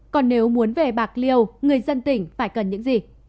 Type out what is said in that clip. còn nếu muốn về bạc liêu người dân tỉnh phải cần những gì